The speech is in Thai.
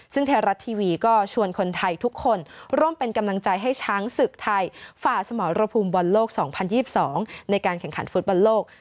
ซึ่งไทยรัฐทีวีก็ชวนคนไทยทุกคนร่วมเป็นกำลังใจให้ช้างศึกไทยฝ่าสมรภูมิบอลโลก๒๐๒๒ในการแข่งขันฟุตบอลโลก